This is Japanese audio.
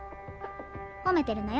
ほめてるのよ。